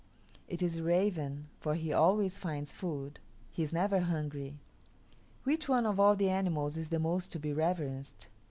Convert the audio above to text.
"It is the raven, for he always finds food; he is never hungry. Which one of all the animals is the most to be reverenced?